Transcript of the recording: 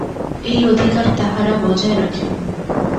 এই অধিকার তাঁহারা বজায় রাখেন।